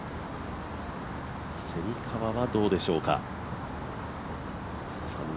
蝉川はどうでしょうか３打